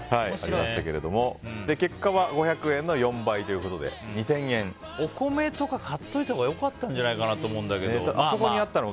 結果は５００円の４倍ということでお米とか買っておいたほうが良かったんじゃないかと思うんだけど。